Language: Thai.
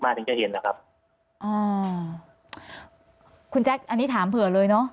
ถึงจะเห็นนะครับอ่าคุณแจ๊คอันนี้ถามเผื่อเลยเนอะ